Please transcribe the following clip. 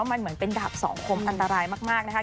มันเป็นดับสองคมอันตรายมากนะฮะ